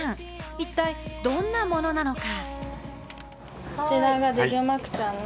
一体どんなものなのか？